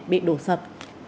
bị đổ sập